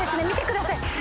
見てください！